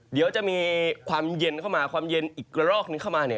เดี๋ยวจะมีความเย็นเข้ามาความเย็นอีกกระรอกนึงเข้ามาเนี่ย